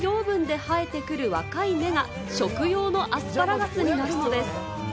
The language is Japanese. その養分で生えてくる若い芽が食用のアスパラガスになるのです。